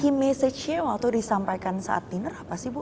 key message nya waktu disampaikan saat dinner apa sih bu